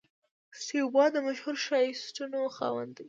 سټیو وا د مشهور شاټسونو خاوند دئ.